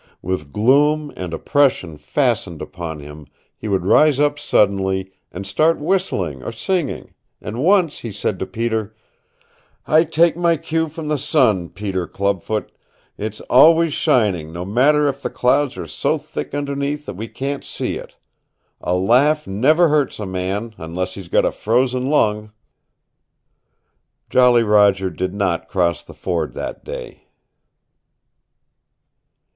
With gloom and oppression fastened upon him he would rise up suddenly, and start whistling or singing, and once he said to Peter, "I take my cue from the sun, Peter Clubfoot. It's always shining, no matter if the clouds are so thick underneath that we can't see it. A laugh never hurts a man, unless he's got a frozen lung." Jolly Roger did not cross the ford that day.